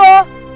kenapa gue kabur